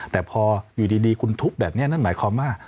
แต่พออยู่ดีคุณทุบแบบนี้นั่นหมายความว่า